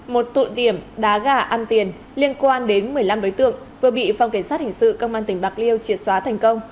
một tụ điểm đá gà ăn tiền liên quan đến một mươi năm đối tượng vừa bị phòng cảnh sát hình sự công an tỉnh bạc liêu triệt xóa thành công